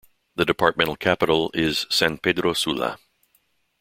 The departmental capital is San Pedro Sula.